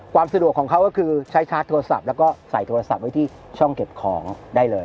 สะดวกของเขาก็คือใช้ชาร์จโทรศัพท์แล้วก็ใส่โทรศัพท์ไว้ที่ช่องเก็บของได้เลย